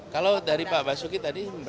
kalau dari pak basuki tadi